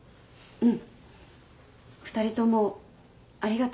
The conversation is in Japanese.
うん。